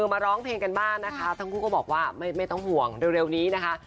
ไม่ต้องห่วงเร็วนี้นะครับ